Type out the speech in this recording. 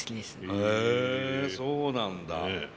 へえそうなんだ。